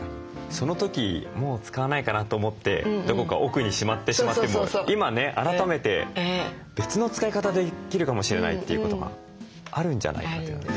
その時もう使わないかな？と思ってどこか奥にしまってしまっても今ね改めて別の使い方できるかもしれないということがあるんじゃないかというね。